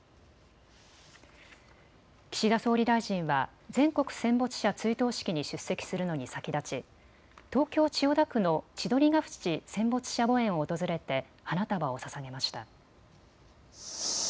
岸田総理大臣は全国戦没者追悼式に出席するのに先立ち東京千代田区の千鳥ヶ淵戦没者墓苑を訪れて花束をささげました。